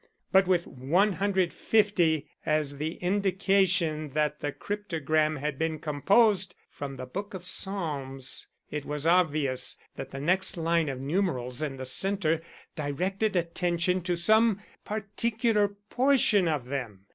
But with 150 as the indication that the cryptogram had been composed from the Book of Psalms, it was obvious that the next line of numerals in the centre directed attention to some particular portion of them.